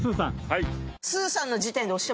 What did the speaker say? はい。